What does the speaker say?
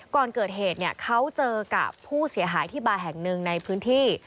ก่อนเกิดเหตุเขาเจอกับผู้เสียหายที่บาร์แห่งหนึ่งในพื้นที่